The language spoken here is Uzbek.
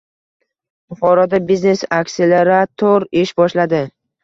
Buxoroda biznes akselerator ish boshladi